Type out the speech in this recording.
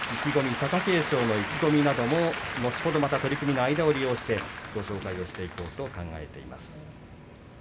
貴景勝の意気込みなど取組の間を利用してご紹介していこうと考えています。